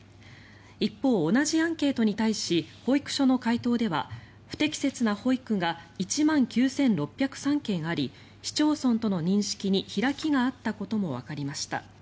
一方、同じアンケートに対し保育所の回答では不適切な保育が１万９６０３件あり市町村との認識に開きがあったこともわかりました。